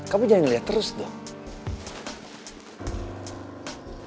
kamu jangan lihat terus dong